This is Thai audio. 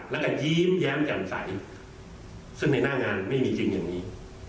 แล้วก็ยิ้มแย้มแจ่มใสซึ่งในหน้างานไม่มีจริงอย่างนี้